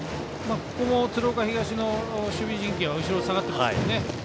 ここも鶴岡東の守備陣形が後ろに下がってますからね。